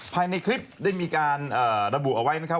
ภายในคลิปได้มีการระบุเอาไว้นะครับ